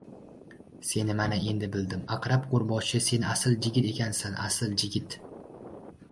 Seni mana endi bildim. Aqrab qo‘rboshi, sen asl jigit ekansan, asl jigit!